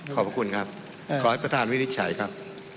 ขอบคุณครับขอให้ประธานวินิจฉัยครับ